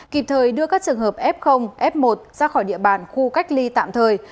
kịp thời đưa các trường hợp f f một ra khỏi địa bàn khu cách ly tạm thời